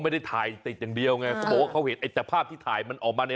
ไม่ได้ถ่ายแต่อย่างเดียวน่ะแบบเปิดเขาเห็นไอแต่ภาพที่ถ่ายมันออกมาใน